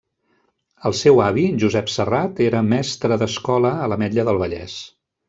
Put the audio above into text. El seu avi Josep Serrat era mestre d'escola a l'Ametlla del Vallès.